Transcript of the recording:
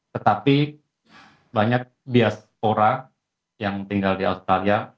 tetapi banyak diaspora yang tinggal di australia